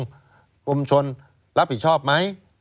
กรมชนรับผิดชอบไหม